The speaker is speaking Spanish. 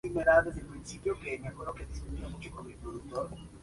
Un pianista con ritmos caribeños y armonías de jazz; su composición Why not!